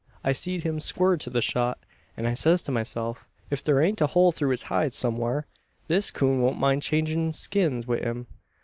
I seed him squirm to the shot, an I says to myself: Ef ther ain't a hole through his hide somewhar, this coon won't mind changin' skins wi' him.